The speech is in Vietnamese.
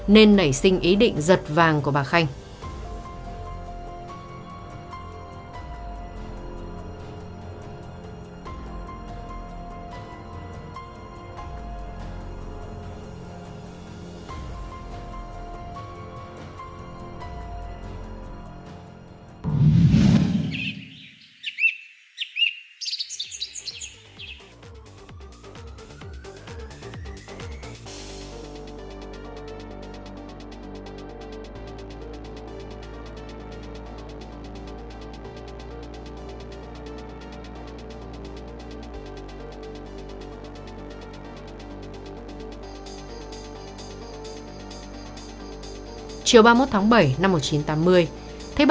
nên nảy sinh ý định giật vàng của bà khánh